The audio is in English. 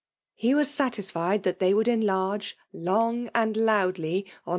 He was satisfied that they would enlarge long and loudly on.